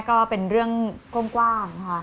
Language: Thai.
ก็เป็นเรื่องกว้างค่ะ